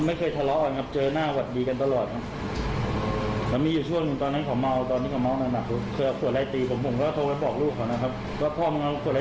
ไม่เคยทะเลาะกันครับเจอหน้าหวัดดีกันตลอดครับ